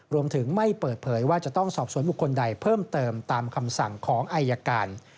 รวมถึงไม่เปิดเผยว่าจะต้องสอบสวนบุคคลใดเพิ่มเติมตามคำสั่งของอายการ